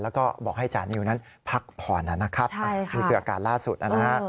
แล้วก็บอกให้จานิวนั้นพักผ่อนนะครับนี่คืออาการล่าสุดนะฮะ